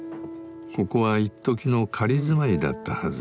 ここは一時の仮住まいだったはず。